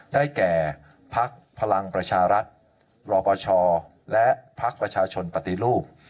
ได้แก่พักพลังประชารัฐรอปชและพักประชาชนปฏิรูป